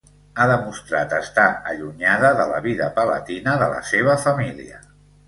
Ha demostrat estar allunyada de la vida palatina de la seva família.